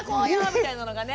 みたいなのがね。